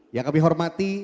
yang kami hormati